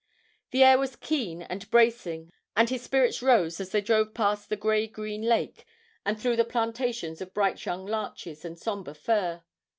The air was keen and bracing, and his spirits rose as they drove past the grey green lake, and through the plantations of bright young larches and sombre fir.